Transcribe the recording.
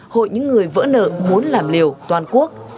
hội những người vỡ nợ muốn làm liều toàn quốc